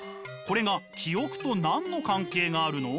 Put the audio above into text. これが記憶と何の関係があるの？